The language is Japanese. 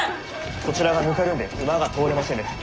こちらはぬかるんで馬が通れませぬ。